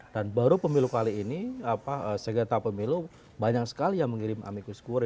dan baru pemilu kali ini segelata pemilu banyak sekali yang mengirim amikus kure